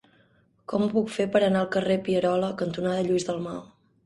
Com ho puc fer per anar al carrer Pierola cantonada Lluís Dalmau?